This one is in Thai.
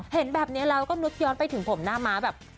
เห็นแบบนี้แล้วก็นึกย้อนไปถึงผมหน้าม้าแบบ